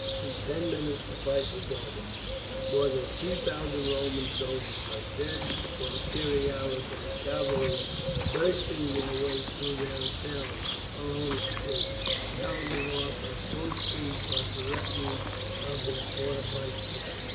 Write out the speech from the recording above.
In ten minutes the fight was over, more than two thousand Roman soldiers lay dead, while Cerealis and the cavalry, bursting their way through their assailants, alone escaped, galloping off at full speed towards the refuge of their fortified camp.